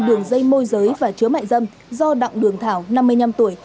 đường dây môi giới và chứa mại dâm do đặng đường thảo năm mươi năm tuổi